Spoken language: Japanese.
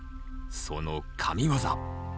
その神業。